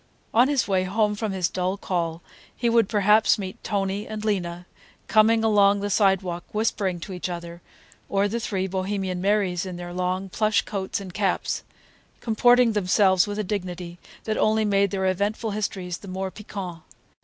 On his way home from his dull call, he would perhaps meet Tony and Lena, coming along the sidewalk whispering to each other, or the three Bohemian Marys in their long plush coats and caps, comporting themselves with a dignity that only made their eventful histories the more piquant.